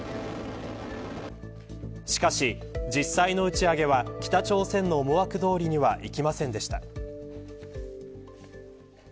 しかし実際の打ち上げは北朝鮮の思惑どおりにはいきませんでした。